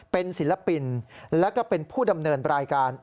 เป็นศิลปินแล้วก็เป็นผู้ดำเนินรายการ